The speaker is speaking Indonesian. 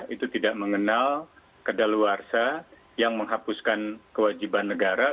itu tidak mengenal keda luarsa yang menghapuskan kewajiban negara